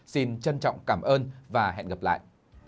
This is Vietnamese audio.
xin trân trọng cảm ơn và hẹn gặp lại